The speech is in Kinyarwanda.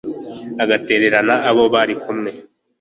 agatererana abo bari kumwe